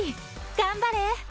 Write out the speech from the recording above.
頑張れ。